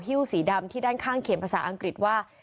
สีดำที่ด้านข้างเขียนภาษาอังกฤษว่า